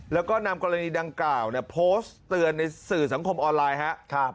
แล้วก็นำกรณีดังกล่าวโพสต์เตือนในสื่อสังคมออนไลน์ครับ